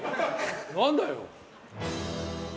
何だよ？